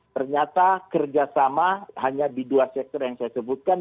ternyata kerjasama hanya di dua sektor yang saya sebutkan